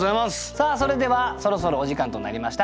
さあそれではそろそろお時間となりました。